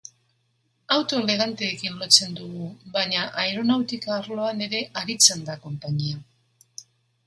Auto eleganteekin lotzen dugu, baina aeronautika arloan ere aritzen da konpainia.